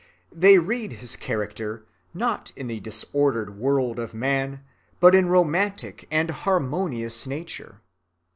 They read his character, not in the disordered world of man, but in romantic and harmonious nature.